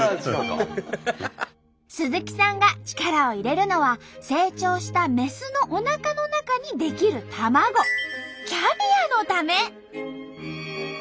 鈴木さんが力を入れるのは成長したメスのおなかの中に出来る卵キャビアのため！